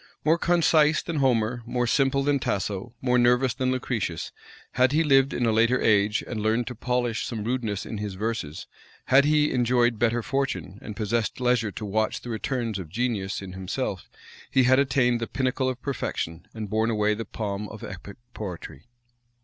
More concise than Homer, more simple than Tasso, more nervous than Lucretius, had he lived in a later age, and learned to polish some rudeness in his verses; had he enjoyed better fortune, and possessed leisure to watch the returns of genius in himself; he had attained the pinnacle of perfection, and borne away the palm of epic poetry.